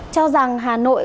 cho rằng hà nội